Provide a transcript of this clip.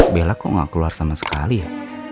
bella kok gak keluar sama sekali ya